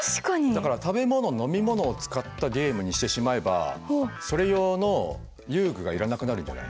だから食べ物飲み物を使ったゲームにしてしまえばそれ用の遊具がいらなくなるんじゃない？